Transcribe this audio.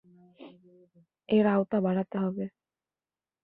এর আওতা বাড়াতে হবে।